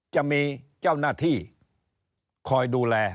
จะมีเจ้าหน้าที่คอยดูแล